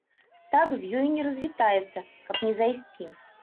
Так з ёю не развітаецца, каб не зайсці.